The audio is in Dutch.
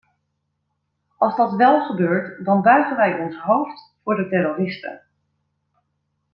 Als dat wel gebeurt, dan buigen wij ons hoofd voor de terroristen.